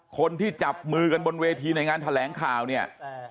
คนที่จับมือกันบนเวทีในงานแถลงข่าวเนี่ย